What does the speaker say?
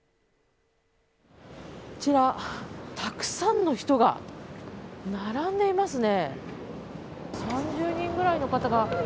こちら、たくさんの人が並んでいますね。